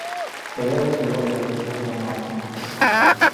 Стаяў цвёрда, з аўтаматам.